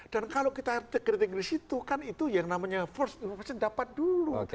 dan kalau kita kritik di situ kan itu yang namanya first impression dapat dulu